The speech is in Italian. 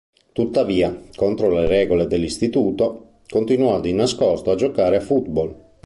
Tuttavia, contro le regole dell'istituto, continuò di nascosto a giocare a football.